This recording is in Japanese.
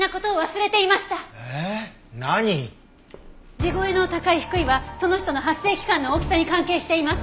地声の高い低いはその人の発声器官の大きさに関係しています。